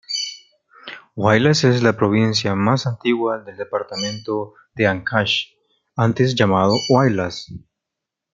Huaylas es la provincia más antigua del departamento de Ancash, antes llamado Huaylas.